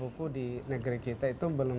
tetapi yang pasti bahwa presentasi anggaran belanjaan